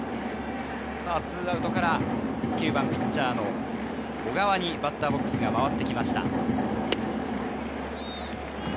２アウトから、９番ピッチャーの小川にバッターボックスが回ってきました。